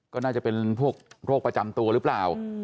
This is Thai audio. ก็น่าจะเป็นพวกโรคประจำตัวหรือเปล่า